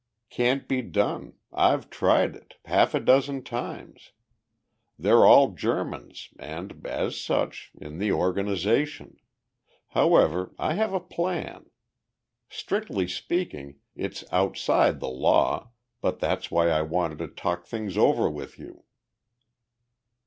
"Can't be done. I've tried it half a dozen times. They're all Germans and, as such, in the organization. However, I have a plan. Strictly speaking, it's outside the law, but that's why I wanted to talk things over with you...."